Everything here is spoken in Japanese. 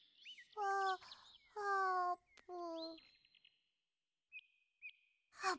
ああーぷん。